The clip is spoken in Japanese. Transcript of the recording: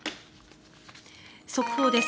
速報です。